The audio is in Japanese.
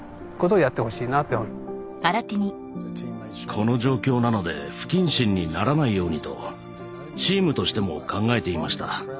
この状況なので不謹慎にならないようにとチームとしても考えていました。